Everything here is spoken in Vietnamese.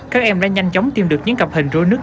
các em đã nhanh chóng tìm được những cặp hình rối nước